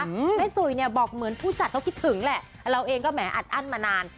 แม่สุยเนี่ยบอกเหมือนผู้จัดเขาคิดถึงแหละเราเองก็แหมออัดอั้นมานาน